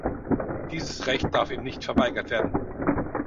Dieses Recht darf ihm nicht verweigert werden.